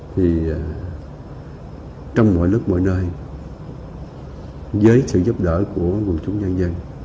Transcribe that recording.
thì trong mọi lúc mọi nơi với sự giúp đỡ của quân chủ nhân dân